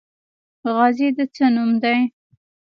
غازی د څه نوم دی؟